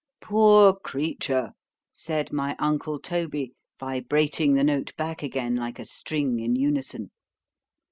_——Poor creature! said my uncle Toby, vibrating the note back again, like a string in unison.